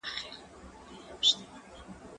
هغه څوک چي سندري اوري خوشاله وي!.